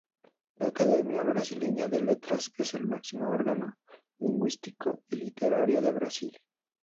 La Academia Brasileña de Letras es el máximo órgano lingüístico y literario de Brasil.